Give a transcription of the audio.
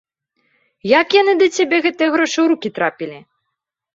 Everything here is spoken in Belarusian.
Як яны да цябе, гэтыя грошы, у рукі трапілі?